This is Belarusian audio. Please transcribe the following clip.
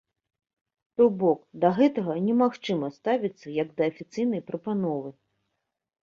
То бок, да гэтага немагчыма ставіцца як да афіцыйнай прапановы.